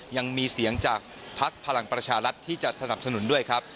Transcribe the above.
ยังมีเสียงจากภักดิ์พลังประชารัฐที่จะสนับสนุนด้วยครับ